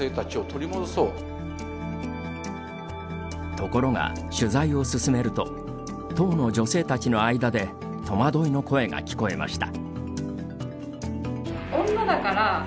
ところが、取材を進めると当の女性たちの間で戸惑いの声が聞こえました。